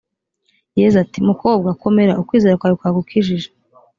yezu ati mukobwa komera ukwizera kwawe kwagukijije